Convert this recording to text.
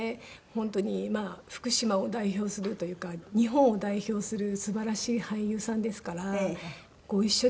本当に福島を代表するというか日本を代表するすばらしい俳優さんですからご一緒